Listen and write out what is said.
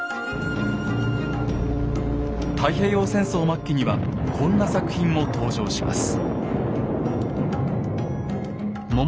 太平洋戦争末期にはこんな作品も登場します。